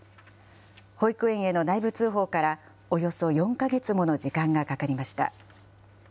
保育園への内部通報からおよそ４か月もの時間がかかりました。